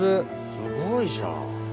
すごいじゃん。